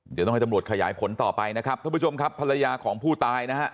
เดี๋ยวต้องให้ตำรวจขยายผลต่อไปนะครับท่านผู้ชมครับภรรยาของผู้ตายนะฮะ